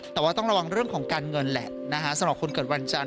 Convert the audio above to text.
แต่ว่าต้องระวังเรื่องของการเงินแหละสำหรับคนเกิดวันจันท